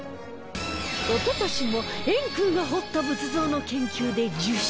おととしも円空が彫った仏像の研究で受賞